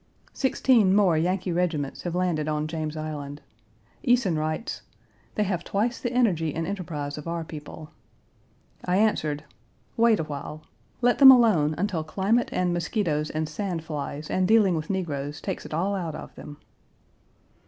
Sixteen more Yankee regiments have landed on James Island. Eason writes, "They have twice the energy and enterprise of our people." I answered, "Wait a while. Let them alone until climate and mosquitoes and sand flies and dealing with negroes takes it all out of them."